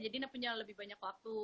jadi punya lebih banyak waktu